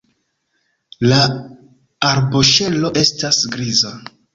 La arboŝelo estas griza.